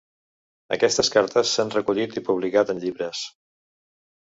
Aquestes cartes s'han recollit i publicat en llibres.